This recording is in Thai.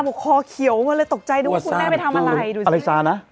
บอกคอเขียวมาเลยตกใจด้วยว่าคุณแม่ไปทำอะไรดูสิอะไรซานะ